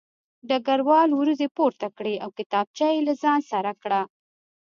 ډګروال وروځې پورته کړې او کتابچه یې له ځان سره کړه